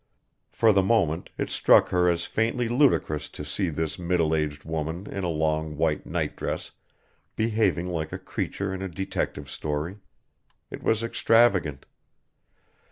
For the moment it struck her as faintly ludicrous to see this middle aged woman in a long white nightdress behaving like a creature in a detective story. It was extravagant.